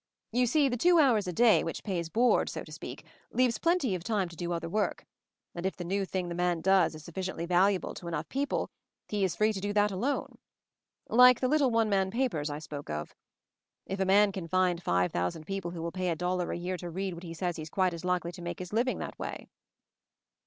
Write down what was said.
You see the two hours a day which pays board, so to speak, leaves plenty of time to do other work; and if the new thing the man does is sufficiently valuable to enough people, he is free to do that alone. Like the little one man papers I spoke of. If a man can find five thousand people who will pay a dollar a year to read what he says he's quite as likely to make his living that way."